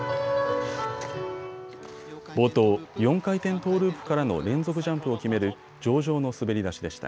冒頭、４回転トーループからの連続ジャンプを決める上々の滑り出しでした。